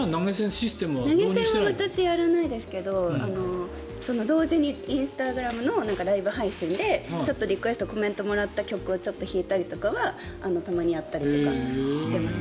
投げ銭は私やらないですけど同時にインスタグラムのライブ配信でちょっとリクエストコメントもらった曲をちょっと弾いたりとかはたまにやったりとかしてます。